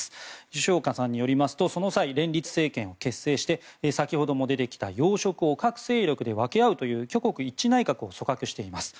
吉岡さんによりますとその際、連立政権を結成して、先ほども出てきた要職を各勢力で分け合うという挙国一致内閣を組閣しています。